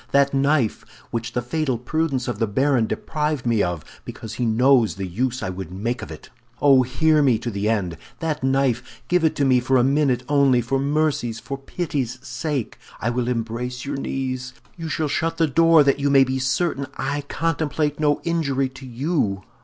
That knife, which the fatal prudence of the baron deprived me of, because he knows the use I would make of it! Oh, hear me to the end! that knife, give it to me for a minute only, for mercy's, for pity's sake! I will embrace your knees! You shall shut the door that you may be certain I contemplate no injury to you!